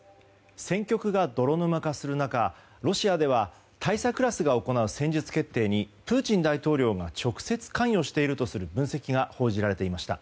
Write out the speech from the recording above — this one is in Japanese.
戦局が泥沼化する中ロシアでは大佐クラスが行う戦術決定にプーチン大統領が直接関与しているとする分析が報じられていました。